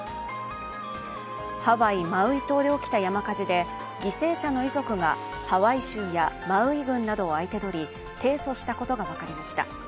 ハワイ・マウイ島で起きた山火事で犠牲者の遺族がハワイ州やマウイ郡などを相手取り提訴したことが分かりました。